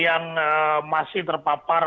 yang masih terpapar